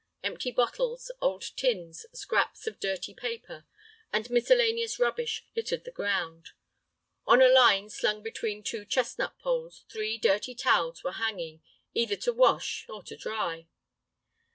Empty bottles, old tins, scraps of dirty paper, and miscellaneous rubbish littered the ground. On a line slung between two chestnut poles three dirty towels were hanging, either to wash or to dry?